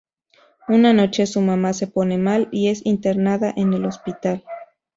Una noche, su mamá se pone mal y es internada en el hospital.